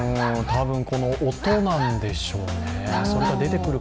多分、この音なんでしょうね。